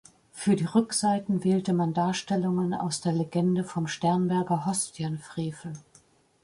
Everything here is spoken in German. Für die Rückseiten wählte man Darstellungen aus der Legende vom Sternberger Hostienfrevel.